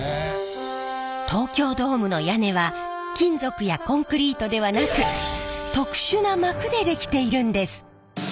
東京ドームの屋根は金属やコンクリートではなく特殊な膜でできているんです。